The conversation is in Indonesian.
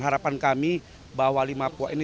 harapan kami bahwa lima pok ini